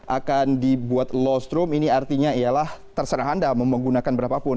akan dibuat low stroom ini artinya ialah terserah anda menggunakan berapapun